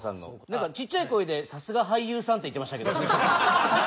なんかちっちゃい声で「さすが俳優さん」って言ってましたけど。